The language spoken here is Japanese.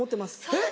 えっ？